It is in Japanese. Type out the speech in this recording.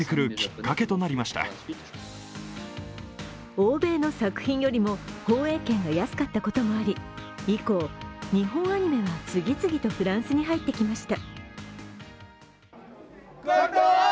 欧米の作品よりも放映権が安かったこともあり、以降、日本アニメは次々とフランスに入ってきました。